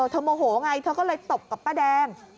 โมโหไงเธอก็เลยตบกับป้าแดง